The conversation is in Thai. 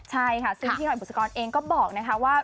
ใช่ค่ะก็พี่หน่วยบูษกรเองก็บอกนะครับว่า